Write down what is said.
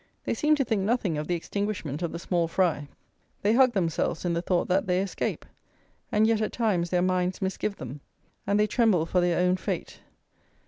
They seem to think nothing of the extinguishment of the small fry; they hug themselves in the thought that they escape; and yet, at times, their minds misgive them, and they tremble for their own fate.